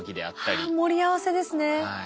あ盛り合わせですね。